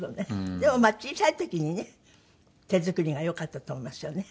でも小さい時にね手作りが良かったと思いますよね。